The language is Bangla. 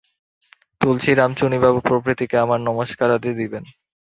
তুলসীরাম, চুনীবাবু প্রভৃতিকে আমার নমস্কারাদি দিবেন।